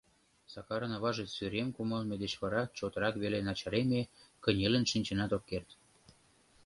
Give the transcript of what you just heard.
Сакарын аваже сӱрем кумалме деч вара чотрак веле начареме, кынелын шинчынат ок керт.